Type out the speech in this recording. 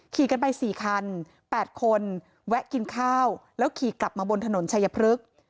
ขี่กันไป๔คัน๘คนแวะกินข้าวแล้วขี่กลับมาบนถนนชัยพฤกษ์